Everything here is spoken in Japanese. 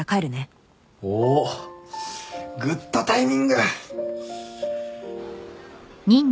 おっグッドタイミング！